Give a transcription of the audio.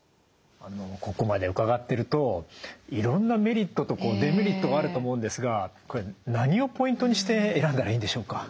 あのここまで伺ってるといろんなメリットとデメリットがあると思うんですがこれ何をポイントにして選んだらいいんでしょうか？